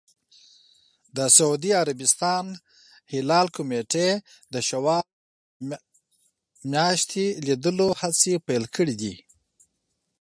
د سعودي عربستان هلال کمېټې د شوال میاشتې لیدلو هڅې پیل کړې دي.